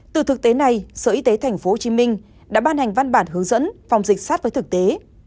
từ thực tế này sở y tế tp hcm đã ban hành văn bản hướng dẫn phòng dịch sát với thực tế